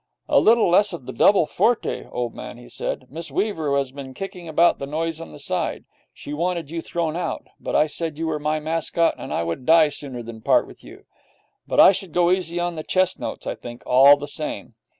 'A little less of the double forte, old man,' he said. 'Miss Weaver has been kicking about the noise on the side. She wanted you thrown out, but I said you were my mascot, and I would die sooner than part with you. But I should go easy on the chest notes, I think, all the same.'